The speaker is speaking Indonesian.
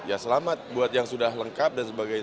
ya selamat buat yang sudah lengkap dan sebagainya